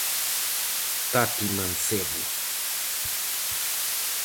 Tati Mancebo.